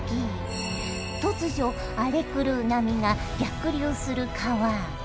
突如荒れ狂う波が逆流する川。